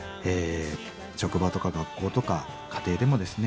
職場とか学校とか家庭でもですね